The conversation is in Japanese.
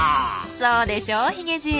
そうでしょうヒゲじい。